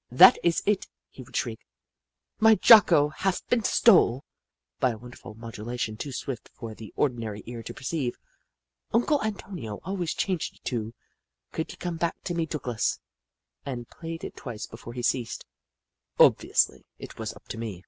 " That is it," he would shriek, "my Jocko haf been stole!" By a wonderful modulation, too swift for the or dinary ear to perceive, Uncle Antonio always changed off to Cotild Ye Co7iie Back to Me, Douglas, and played it twice before he ceased. Obviously, it was up to me.